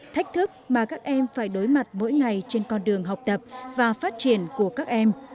thách thức mà các em phải đối mặt mỗi ngày trên con đường học tập và phát triển của các em